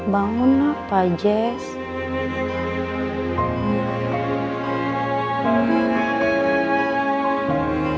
bangun apa jess